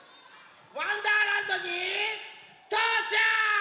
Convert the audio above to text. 「わんだーらんど」にとうちゃく！